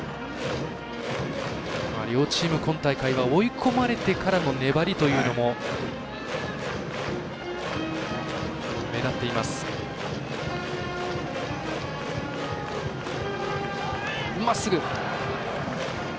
両チーム今大会は追い込まれてからの粘りというのも目立っています。